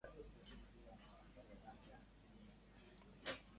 磕到甲沟炎了！